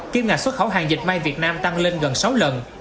kim ngạch xuất khẩu hàng dệt may việt nam tăng lên gần sáu lần